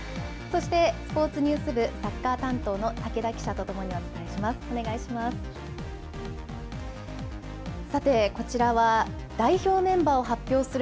そしてスポーツニュース部サッカー担当の武田記者とともにお伝えします。